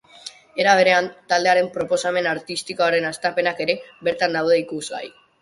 Era berean, taldearen proposamen artistikoaren hastapenak ere bertan daude ikusgai.